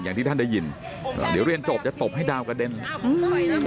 อย่างที่ท่านได้ยินเดี๋ยวเรียนจบจะตบให้ดาวกระเด็น